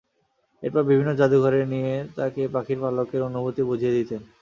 এরপর বিভিন্ন জাদুঘরে নিয়ে গিয়ে তাঁকে পাখিদের পালকের অনুভূতি বুঝিয়ে দিতেন।